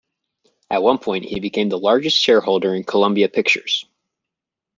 At one point, he became the largest shareholder in Columbia Pictures.